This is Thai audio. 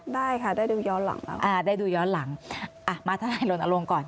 ได้ค่ะได้ดูย้อนหลังอ่าได้ดูย้อนหลังอ่ะมาทนายรณรงค์ก่อน